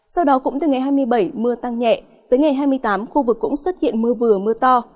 sau đó cũng từ ngày hai mươi bảy mưa tăng nhẹ tới ngày hai mươi tám khu vực cũng xuất hiện mưa vừa mưa to